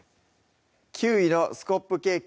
「キウイのスコップケーキ」